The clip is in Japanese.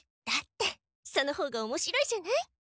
だってその方がおもしろいじゃない。